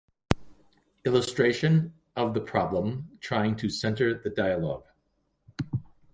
Illustration of the problem trying to center the dialog